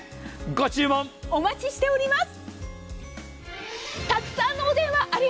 ご注文お待ちしております。